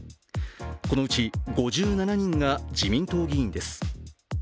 このうち５７人が自民党議員です。